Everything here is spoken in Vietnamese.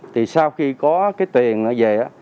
thì sau khi có cái tiền về